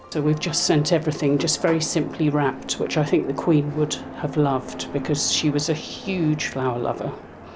jadi kita baru saja menghantar semuanya hanya menggabungkan yang saya pikir perempuan akan suka karena dia adalah penggemar bunga yang besar